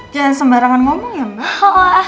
jangan sembarangan ngomong ya mbak